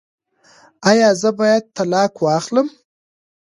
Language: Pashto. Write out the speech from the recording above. ایا زه باید طلاق واخلم؟